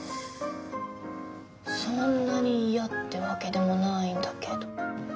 そんなに嫌ってわけでもないんだけど。